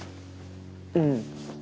うん。